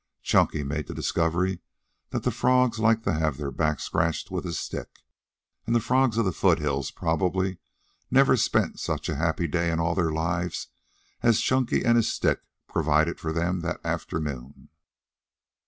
Chunky made the discovery that the frogs liked to have their backs scratched with a stick, and the frogs of the foothills probably never spent such a happy day in all their lives as Chunky and his stick provided for them that afternoon.